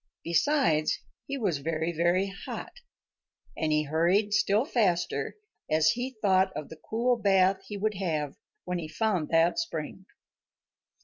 Besides, he was very, very hot, and he hurried still faster as he thought of the cool bath he would have when he found that spring.